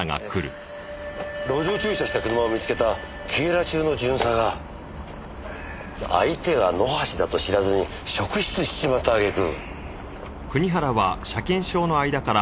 路上駐車した車を見つけた警邏中の巡査が相手が野橋だと知らずに職質しちまったあげく。